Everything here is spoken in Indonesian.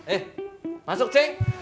eh masuk c